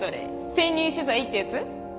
潜入取材ってやつ？